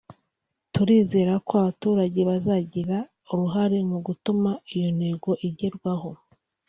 turizera ko abaturage bazagira uruhare mu gutuma iyo ntego igerwaho